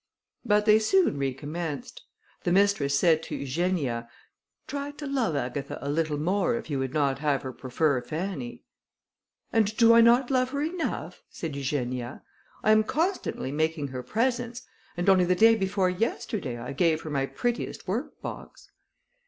But they soon recommenced. The mistress said to Eugenia, "Try to love Agatha a little more if you would not have her prefer Fanny." "And do I not love her enough?" said Eugenia. "I am constantly making her presents, and only the day before yesterday, I gave her my prettiest work box."